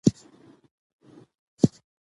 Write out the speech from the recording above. اداري اصلاح د واک د مشروعیت د ساتلو وسیله ده